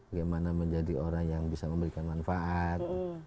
bagaimana menjadi orang yang bisa memberikan manfaat